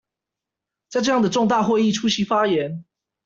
在這樣的重大會議出席發言